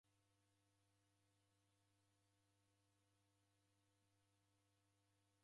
Linu naghora sikunde kumuka aja niendieghe.